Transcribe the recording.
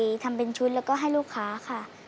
หนูก็ใส่ทำเป็นชุดแล้วก็ให้ลูกค้าค่ะ